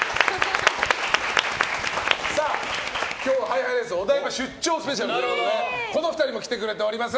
今日はハイハイレースお台場出張ＳＰということでこの２人も来てくれております。